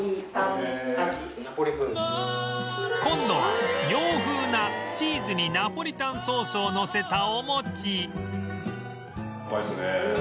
今度は洋風なチーズにナポリタンソースをのせたお餅